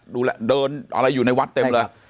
ดูแลเดินอะไรอยู่ในวัดเต็มเลย